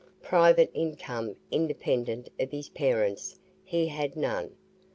Private income, independent of his parents, he had none.